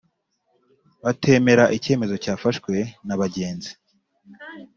batemera icyemezo cyafashwe na bagenzi